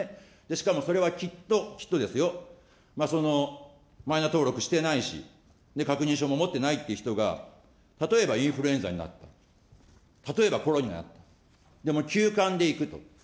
しかもそれはきっと、きっとですよ、そのマイナ登録してないし、確認書も持ってないという人が例えばインフルエンザになった、例えばコロナになった、でも急患でいくと。